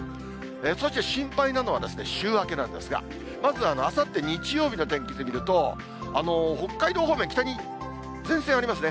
そして心配なのは週明けなんですが、まずあさって日曜日の天気図見ると、北海道方面、北に前線がありますね。